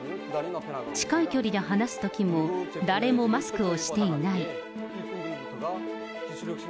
近い距離で話すときも、誰もマスクをしていない。